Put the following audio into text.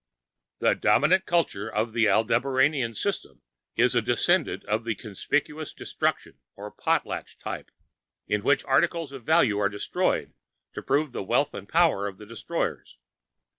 The dominant culture of the Aldebaranian system is a descendant of the "conspicuous destruction" or "potlatch" type, in which articles of value are destroyed to prove the wealth and power of the destroyers.